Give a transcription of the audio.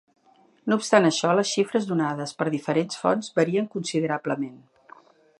No obstant això, les xifres donades per diferents fonts varien considerablement.